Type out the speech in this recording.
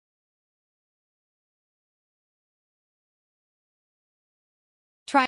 Additionally, Dwayne Johnson is an excellent role model and philanthropist.